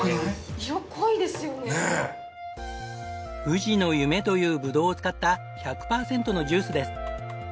「富士の夢」というぶどうを使った１００パーセントのジュースです。